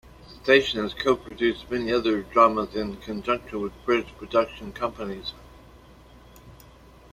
The station has co-produced many other period dramas in conjunction with British production companies.